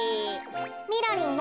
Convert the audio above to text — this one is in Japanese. みろりんよ。